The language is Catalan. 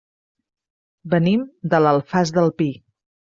Venim de l'Alfàs del Pi.